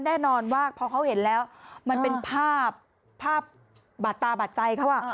แน่นอนว่าพอเขาเห็นแล้วมันเป็นภาพภาพบาดตาบาดใจเขา